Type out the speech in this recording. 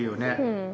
うん。